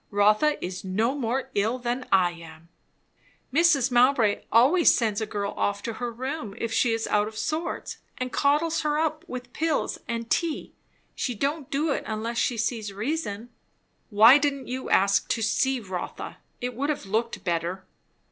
"Rotha is no more ill than I am." "Mrs. Mowbray always sends a girl off to her room if she is out of sorts, and coddles her up with pills and tea. She don't do it unless she sees reason." "Why didn't you ask to see Rotha? It would have looked better."